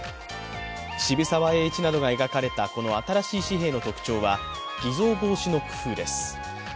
渋沢栄一などが描かれたこの新しい紙幣の特徴は偽造防止の工夫です。